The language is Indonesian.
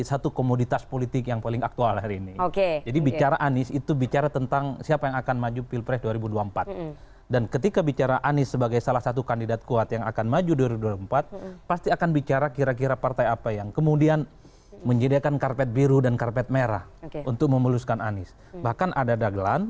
selain anies baswedan ada kepala